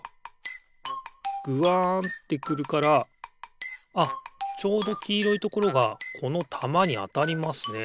ぐわんってくるからあっちょうどきいろいところがこのたまにあたりますね。